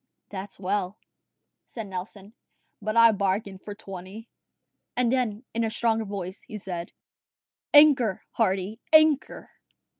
"That's well," said Nelson; "but I bargained for twenty." And then, in a stronger voice, he said, "Anchor, Hardy, anchor."